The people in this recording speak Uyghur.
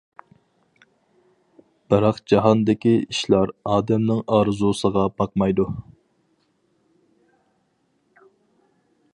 بىراق جاھاندىكى ئىشلار ئادەمنىڭ ئارزۇسىغا باقمايدۇ.